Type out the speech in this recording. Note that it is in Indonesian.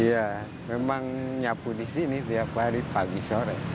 iya memang nyapu di sini tiap hari pagi sore